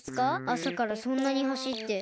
あさからそんなにはしって。